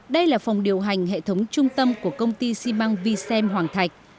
đây là phòng điều hành hệ thống trung tâm của công ty xi măng v sem hoàng thạch